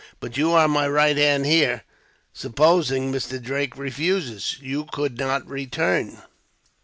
But you are my right hand here. Supposing Mr. Drake refuses, you could not return."